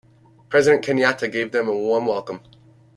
President Kenyatta gave them a warm welcome.